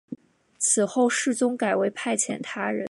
此后世宗改为派遣他人。